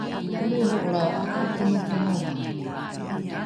olriho’olrao ’ako’oponoponohae